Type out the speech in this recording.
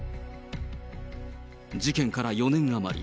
事件から４年余り。